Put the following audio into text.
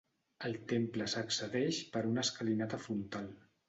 Al temple s'accedeix per una escalinata frontal.